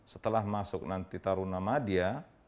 setelah masuk nanti tarunah media